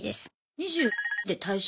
２０で退職？